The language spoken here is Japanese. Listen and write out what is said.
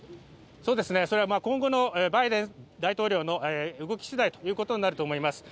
今後のバイデン大統領の動きしだいということになると思います。